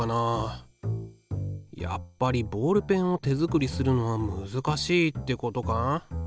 やっぱりボールペンを手作りするのは難しいってことか？